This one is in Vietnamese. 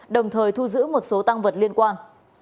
đồng thời thu giữ một số tăng vật liên quan